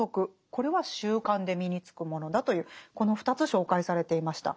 これは習慣で身につくものだというこの２つ紹介されていました。